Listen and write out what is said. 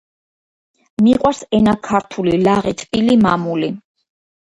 მიყვარს ენა ქართული ლაღი თბილი მამული